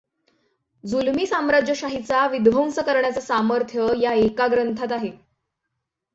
जुलमी साम्राज्यशाहीचा विध्वंस करण्याचे सामर्थ्य या एका ग्रंथात आहे.